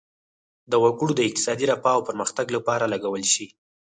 د وګړو د اقتصادي رفاه او پرمختګ لپاره لګول شي.